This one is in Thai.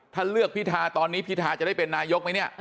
ถ้าเลือกพิธาตอนนี้พิทาจะได้เป็นนายกไหมเนี่ย